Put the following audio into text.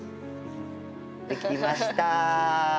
できました！